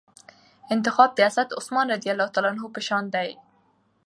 انتخاب د حضرت عثمان رضي الله عنه په شان دئ.